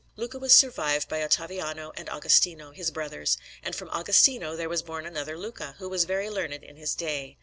Luca was survived by Ottaviano and Agostino, his brothers, and from Agostino there was born another Luca, who was very learned in his day.